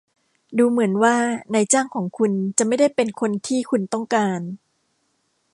ดูเหมือนว่านายจ้างของคุณจะไม่ได้เป็นคนที่คุณต้องการ